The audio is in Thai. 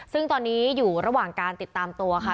ซึ่งตอนนี้อยู่ระหว่างการติดตามตัวค่ะ